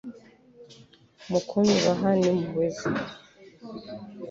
Mu kunyubaha nimpuhwe ze